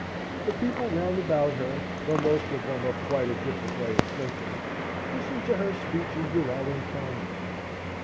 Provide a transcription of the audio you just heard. The people round about her, though most of them of quite a different way of thinking, listened to her speeches without unkindness.